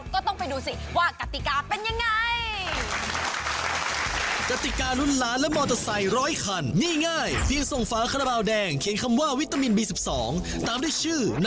ใช่เพราะอย่างนั้นแล้ว